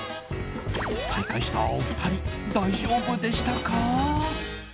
再会したお二人大丈夫でしたか？